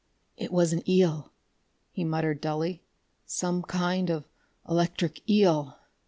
"It was an eel," he muttered dully. "Some kind of electric eel...."